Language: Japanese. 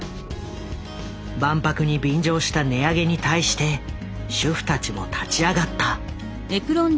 万博に便乗した値上げに対して主婦たちも立ち上がった。